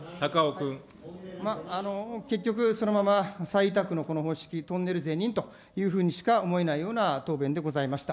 結局、そのまま再委託のこの方式、トンネル是認というふうにしか思えないような答弁でございました。